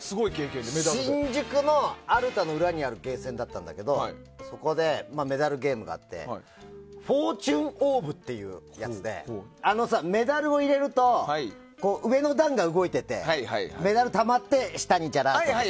新宿のアルタの裏にあるゲーセンだったんだけどそこでメダルゲームがあって「フォーチューンオーブ」っていうやつでメダルを入れると上の段が動いててメダルたまって下にジャラーッてやつ。